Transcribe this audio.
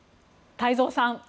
太蔵さん